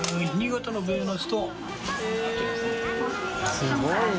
すごいな。